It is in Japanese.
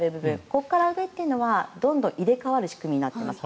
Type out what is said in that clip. ここから上というのはどんどん入れ替わる仕組みになっています。